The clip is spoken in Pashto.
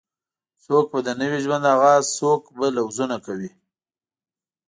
څوک به د نوې ژوند آغاز څوک به لوظونه کوي